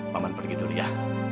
paman pergi dulu ya